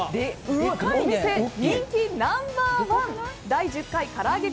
お店人気ナンバーワン第１０回からあげ